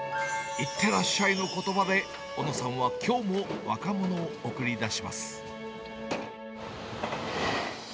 いってらっしゃいのことばで、小野さんはきょうも若者を送り出します。